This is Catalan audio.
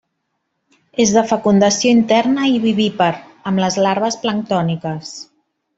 És de fecundació interna i vivípar amb les larves planctòniques.